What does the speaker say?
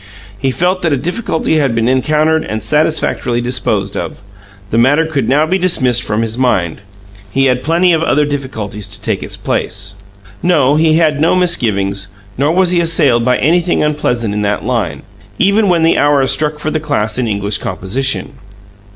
He felt that a difficulty had been encountered and satisfactorily disposed of; the matter could now be dismissed from his mind. He had plenty of other difficulties to take its place. No; he had no misgivings, nor was he assailed by anything unpleasant in that line, even when the hour struck for the class in English composition.